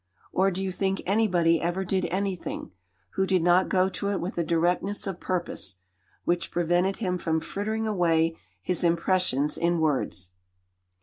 Or do you think anybody ever did anything, who did not go to it with a directness of purpose, which prevented him from frittering away his impressions in words?"